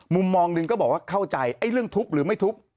มุมมองหนึ่งก็บอกว่าเข้าใจไอ้เรื่องทุบหรือไม่ทุบ